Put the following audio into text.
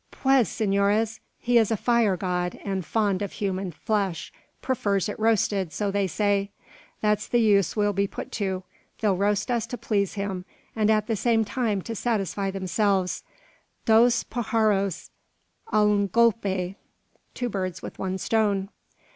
Pues, senores; he is a fire god, and fond of human flesh; prefers it roasted, so they say. That's the use we'll be put to. They'll roast us to please him, and at the same time to satisfy themselves. Dos pajaros al un golpe!" (Two birds with one stone.)